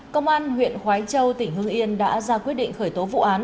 công an huyện khói châu tỉnh hương yên đã ra quyết định khởi tố vụ án